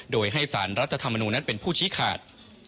โดยให้สารรัฐธรรมนูญนั้นเป็นผู้ชี้ขาด